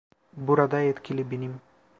Burada yetkili benim.